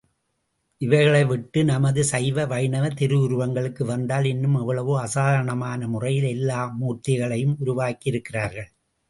இவைகளை விட்டு நமது சைவ, வைணவத் திருவுருவங்களுக்கு வந்தால் இன்னும் எவ்வளவோ அசாதாரணமான முறையில் எல்லாம் மூர்த்திகளை உருவாக்கியிருக்கிறார்கள்.